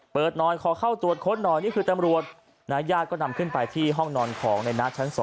เปิดหน่อยขอเข้าตรวจค้นหน่อยนี่คือตำรวจญาติก็นำขึ้นไปที่ห้องนอนของในน้าชั้น๒